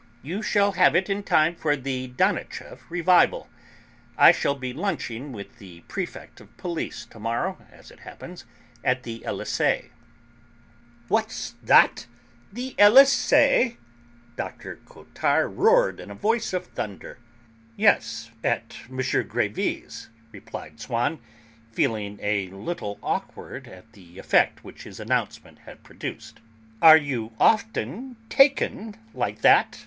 You shall have it in time for the Danicheff revival. I shall be lunching with the Prefect of Police to morrow, as it happens, at the Elysée." "What's that? The Elysée?" Dr. Cottard roared in a voice of thunder. "Yes, at M. Grévy's," replied Swann, feeling a little awkward at the effect which his announcement had produced. "Are you often taken like that?"